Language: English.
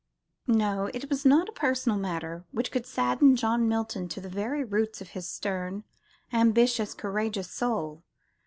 No: it was not a personal matter which could sadden John Milton to the very roots of his stern, ambitious, courageous soul.